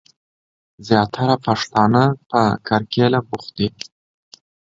زياتره پښتنه په کرکيله بوخت دي.